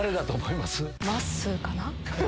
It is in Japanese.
まっすーかな？